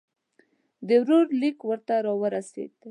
د ورور لیک ورته را ورسېدی.